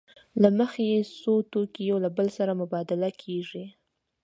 له مخې یې څو توکي یو له بل سره مبادله کېږي